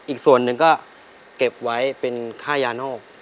อีกส่วนหนึ่งก็เก็บไว้เป็นค่ายานอก